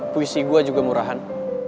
puisi gue juga murahan